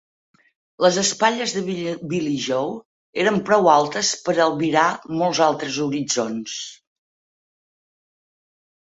Les espatlles de Billy Joe eren prou altes per a albirar molts altres horitzons.